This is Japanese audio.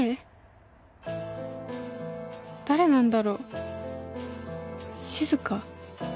誰なんだろう静香？